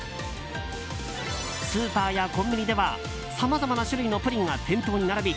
スーパーやコンビニではさまざまな種類のプリンが店頭に並び